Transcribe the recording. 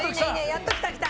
やっときたきた。